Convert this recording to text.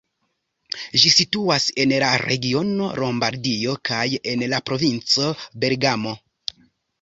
Ĝi situas en la regiono Lombardio kaj en la provinco Bergamo.